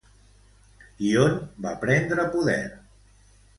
I on va prendre poder?